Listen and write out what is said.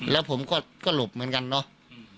แล้วผมก็หลบเหมือนกันเนาะ